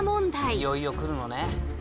いよいよ来るのね？